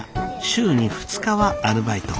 週に２日はアルバイト。